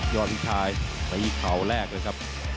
ยอดไกรไปอีกคราวแรกเลยครับ